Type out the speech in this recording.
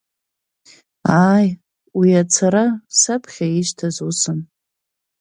Ааи, уи ацара, саԥхьа ишьҭаз усын.